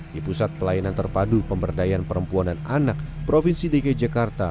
di pusat pelayanan terpadu pemberdayaan perempuan dan anak provinsi dki jakarta